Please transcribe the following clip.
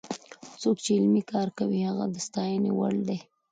څوک چې علمي کار کوي هغه د ستاینې وړ دی.